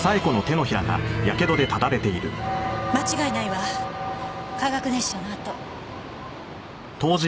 間違いないわ化学熱傷の痕。